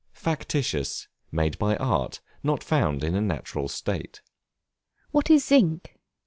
Factitious, made by art, not found in a natural state. What is Zinc?